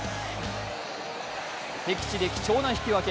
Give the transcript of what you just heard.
敵地で貴重な引き分け。